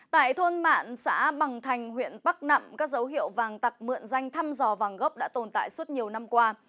tại thôn mạn xã bằng thành huyện bắc nậm các dấu hiệu vàng tặc mượn danh thăm dò vàng gốc đã tồn tại suốt nhiều năm qua